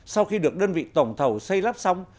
sau khi được đơn vị tổng thầu xây lắp xong